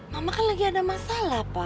mama kan lagi ada masalah pak